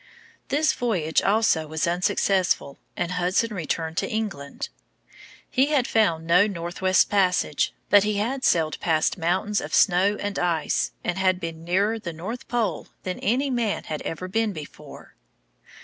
This voyage also was unsuccessful, and Hudson returned to England. He had found no northwest passage, but he had sailed past mountains of snow and ice and had been nearer the north pole than any man had ever been before.